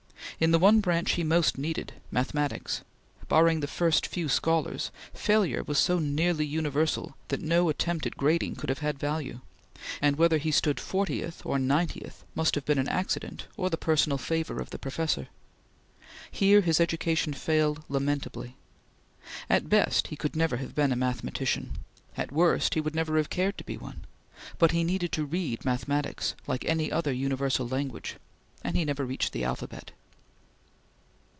In the one branch he most needed mathematics barring the few first scholars, failure was so nearly universal that no attempt at grading could have had value, and whether he stood fortieth or ninetieth must have been an accident or the personal favor of the professor. Here his education failed lamentably. At best he could never have been a mathematician; at worst he would never have cared to be one; but he needed to read mathematics, like any other universal language, and he never reached the alphabet.